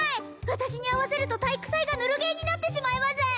私に合わせると体育祭がヌルゲーになってしまいます